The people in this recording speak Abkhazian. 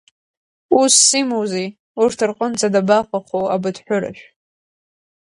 Усс имоузеи, урҭ рҟынӡа дабаҟаху абыҭҳәырыжә!